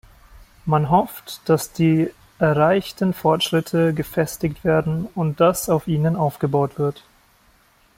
Man hofft, dass die erreichten Fortschritte gefestigt werden und dass auf ihnen aufgebaut wird.